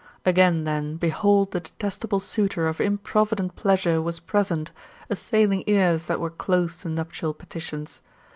" Again, then, behold the detestable suitor of improvident pleasure was present, assailing ears that were closed to nuptial petitions.